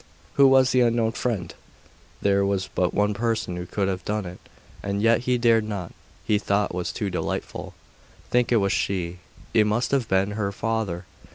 Who was the unknown friend? There was but one person who could have done it.... And yet he dared not the thought was too delightful think it was she. It must have been her father.